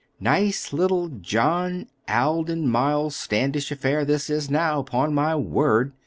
"Nice little John Alden Miles Standish affair this is now, upon my word!